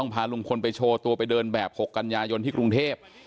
ผมไปโชว์ตัวไปเดินแบบหกกัญญายนที่กรุงเทพฯ